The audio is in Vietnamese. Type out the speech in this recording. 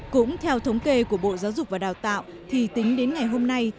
cũng theo thống kê của bộ giáo dục và đào tạo thì tính đến ngày hôm nay